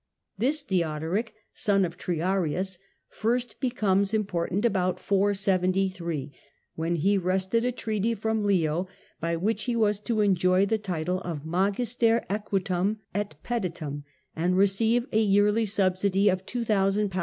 This Theodoric, son of Triarius, first be comes important about 173, when he wrested a treaty from Leo by which he was to enjoy the title of Magister Equitum et Peditum, and receive a yearly subsidy of 2,000 lb.